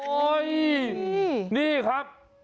โอ้ยนี่ครับ